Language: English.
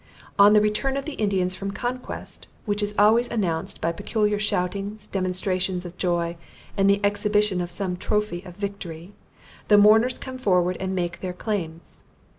On the return of the Indians from conquest, which is always announced by peculiar shoutings, demonstrations of joy, and the exhibition of some trophy of victory, the mourners come forward and make their claims.